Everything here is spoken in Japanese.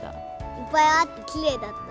いっぱいあってきれいだった。